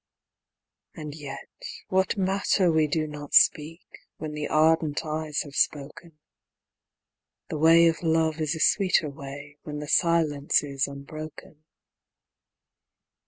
And yet what matter we do not speak, when the ardent eyes have spoken, The way of love is a sweeter way, when the silence is unbroken.